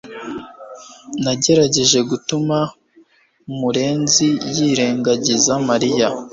Nagerageje gutuma murenzi yirengagiza Mariya